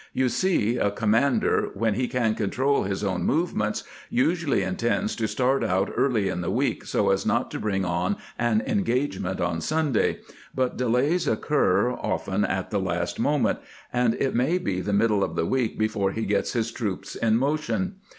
You see, a commander, when he can control his own movements, usually intends to start out early in the week so as not to bring on an engagement on Sunday ; but delays occur often at the last moment, and it may be the middle of the week before he gets his troops in motion.